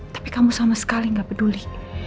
tapi kamu sama sekali gak peduli